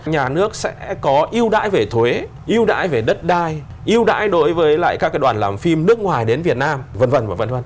nhà nước sẽ có ưu đãi về thuế yêu đãi về đất đai ưu đãi đối với lại các đoàn làm phim nước ngoài đến việt nam v v